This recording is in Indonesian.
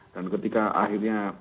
dan ketika akhirnya